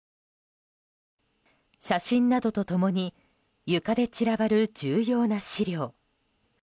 写真などと共に床で散らばる重要な資料。